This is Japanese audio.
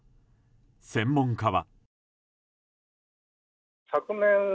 専門家は。